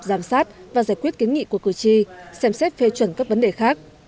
giám sát và giải quyết kiến nghị của cử tri xem xét phê chuẩn các vấn đề khác